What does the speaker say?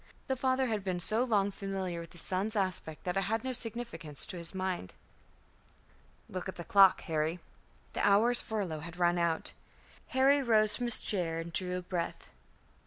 The father had been so long familiar with his son's aspect that it had no significance to his mind. "Look at the clock, Harry." The hour's furlough had run out. Harry rose from his chair, and drew a breath.